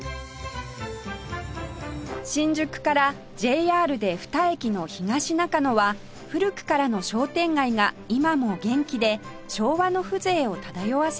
新宿から ＪＲ で２駅の東中野は古くからの商店街が今も元気で昭和の風情を漂わせる街